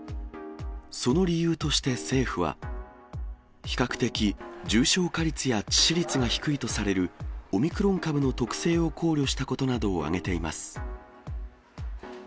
その理由として政府は、比較的、重症化率や致死率が低いとされる、オミクロン株の特性を考慮したことなどを挙げています。